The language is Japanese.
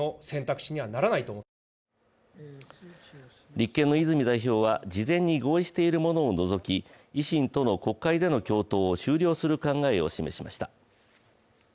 立憲の泉代表は事前に合意しているものを除き維新との国会での共闘を終了する考えを示しました。